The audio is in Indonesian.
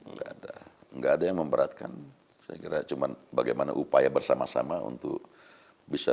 nggak ada enggak ada yang memberatkan saya kira cuman bagaimana upaya bersama sama untuk bisa